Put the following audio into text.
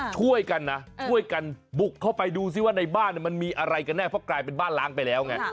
ช่วยกันนะช่วยกันบุกเข้าไปดูซิว่าในบ้านมันมีอะไรกันแน่เพราะกลายเป็นบ้านล้างไปแล้วไง